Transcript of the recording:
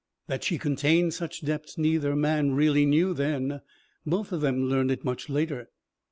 That she contained such depths neither man really knew then. Both of them learned it much later.